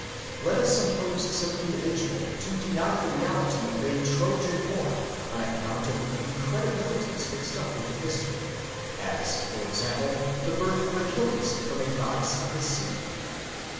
Let us suppose some individual to deny the reality of a Trojan war on account of the incredibilities mixed up with the history ; as, for example, the birth of Achilles from a goddess of the sea.